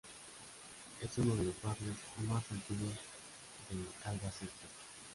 Es uno de los barrios más antiguos de Albacete.